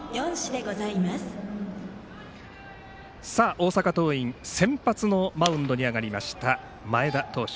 大阪桐蔭先発のマウンドに上がりました前田投手。